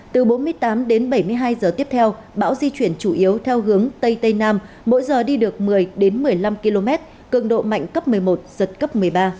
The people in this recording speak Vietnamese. từ bốn mươi tám đến bảy mươi hai giờ tiếp theo bão di chuyển chủ yếu theo hướng tây tây nam mỗi giờ đi được một mươi một mươi năm km cường độ mạnh cấp một mươi một giật cấp một mươi ba